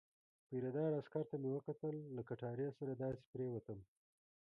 پیره دار عسکر ته مې وکتل، له کټارې سره داسې پرېوتم.